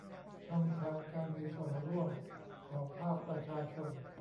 ช่องทางการมีส่วนร่วมของภาคประชาชน